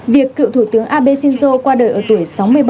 việc cựu thủ tướng abe shinzo qua đời ở tuổi sáu mươi ba